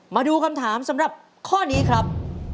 มาดูคำถามสำหรับข้อนี้ครับ